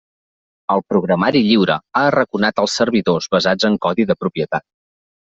El programari lliure ha arraconat els servidors basats en codi de propietat.